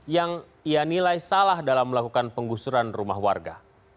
yang ia nilai salah dalam melakukan penggusuran rumah warga